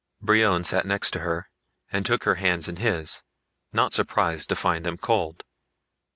Brion sat next to her and took her hands in his, not surprised to find them cold.